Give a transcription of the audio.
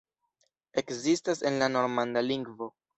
Ekzistas en la normanda lingvo.